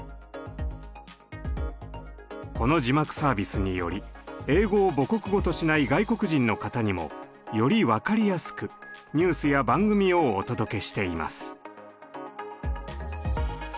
この字幕サービスにより英語を母国語としない外国人の方にもより分かりやすくニュースや番組をお届けしています。